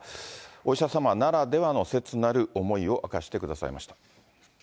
お医者様ならではの切なる思いを明かしてくれました。